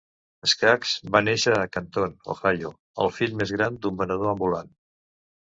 Scaggs va néixer a Canton (Ohio), el fill més gran d'un venedor ambulant.